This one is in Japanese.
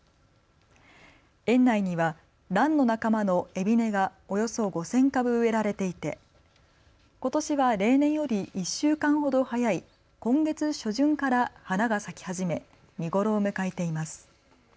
園内にはらんの仲間のエビネがおよそ５０００株植えられていてことしは例年より１週間ほど早い今月初旬から花が咲き始め見頃を迎えています。